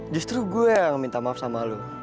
justru gue yang minta maaf sama lo